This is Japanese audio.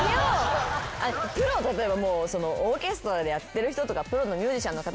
例えばオーケストラでやってる人とかプロのミュージシャンの方とかのは聴きたいですよ